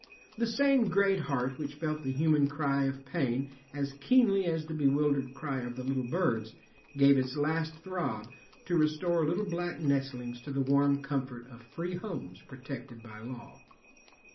The same great heart which felt the human cry of pain as keenly as the bewildered cry of the little birds gave its last throb to restore little black nestlings to the warm comfort of free homes protected by law.